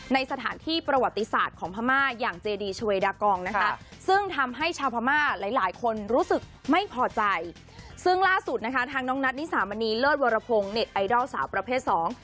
นิสามณีเลิศวรพงษ์เน็ตไอดอลสาวประเภทสอง